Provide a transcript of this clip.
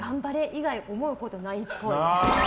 以外思うことないっぽい。